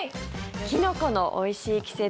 キノコのおいしい季節。